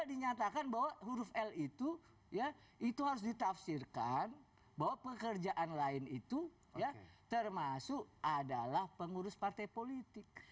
dinyatakan bahwa huruf l itu ya itu harus ditafsirkan bahwa pekerjaan lain itu ya termasuk adalah pengurus partai politik